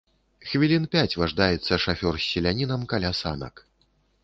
Хвілін пяць важдаецца шафёр з селянінам каля санак.